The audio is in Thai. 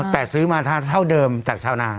อ๋อแต่ซื้อมาสุดเช่าเดิมจากชาวนา